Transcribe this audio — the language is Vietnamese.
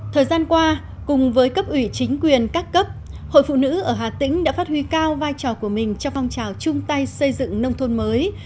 thời gian qua cùng với cấp ủy chính quyền các cấp hội phụ nữ ở hà tĩnh đã phát huy cao vai trò của mình trong phong trào chung tay xây dựng nông thôn mới